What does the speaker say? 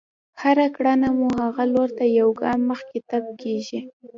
هره کړنه مو هغه لور ته يو ګام مخکې تګ کېږي.